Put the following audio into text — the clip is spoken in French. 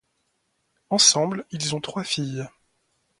Ensemble, ils ont trois filles.